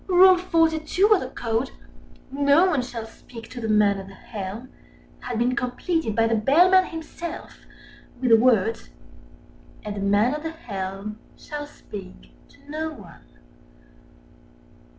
Rule 42 of the Code, "No one shall speak to the Man at the Helm," had been completed by the Bellman himself with the words "and the Man at the Helm shall speak to no one."